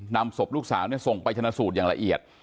นำศพลูกสาวส่งไปชนะสูตรอย่างละเอียด